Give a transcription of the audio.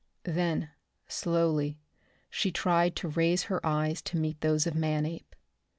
Then, slowly, she tried to raise her eyes to meet those of Manape.